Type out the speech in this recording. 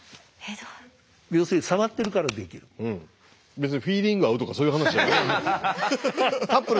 別にフィーリングが合うとかそういう話じゃないから。